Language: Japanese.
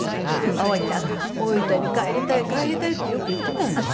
大分に帰りたい帰りたいってよく言っていたんですよ。